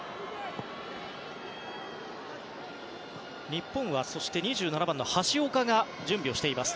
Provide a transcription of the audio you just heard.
日本は２７番の橋岡が準備をしています。